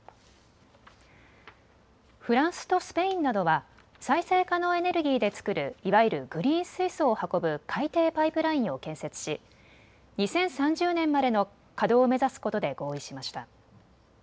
フランスとスペインなどは再生可能エネルギーで作るいわゆるグリーン水素を運ぶ海底パイプラインを建設し２０３０年までの稼働を目指すことで合意しました。